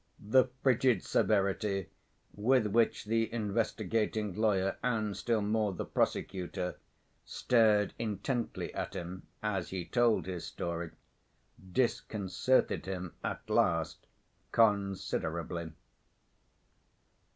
The frigid severity, with which the investigating lawyer, and still more the prosecutor, stared intently at him as he told his story, disconcerted him at last considerably.